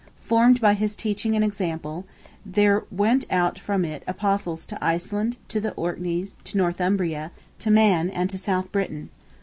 Formed by his teaching and example, there went out from it apostles to Iceland, to the Orkneys, to Northumbria, to Man, and to South Britain.